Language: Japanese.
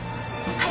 はい。